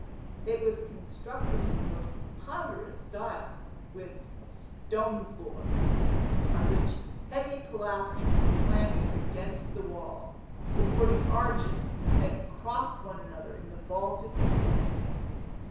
It was constructed in a most ponderous style, with a stone floor, on which heavy pilasters were planted against the wall, supporting arches that crossed one another in the vaulted ceiling.